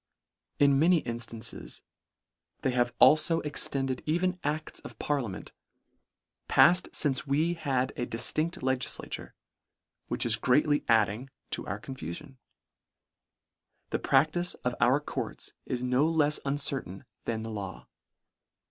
In many inftances they have al fo extended even acts of parliament, palled lince we had a diftindt legislature, which is greatly adding to our confufion. The prac tice of our courts is no lefs uncertain than the law.